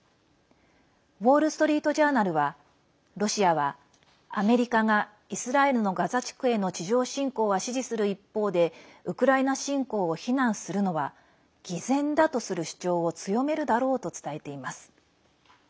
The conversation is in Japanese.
ウォール・ストリート・ジャーナルは、ロシアはアメリカがイスラエルのガザ地区への地上侵攻は支持する一方でウクライナ侵攻を非難するのは偽善だとする主張を強めるだろうと伝えています。